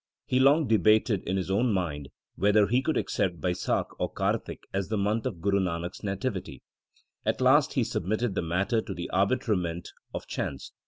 He long debated in his own mind whether he would accept Baisakh or Kartik as the month of Guru Nanak s nativity. At last he submitted the matter to the arbitrament of chance.